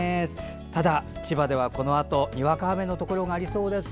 ただ、千葉ではこのあとにわか雨のところがありそうです。